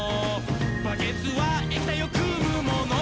「バケツは液体をくむもの」